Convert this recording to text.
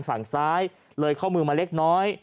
ฝั่งซ้ายเลยข้อมือมาเล็กน้อย